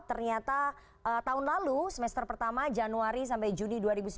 ternyata tahun lalu semester pertama januari sampai juni dua ribu sembilan belas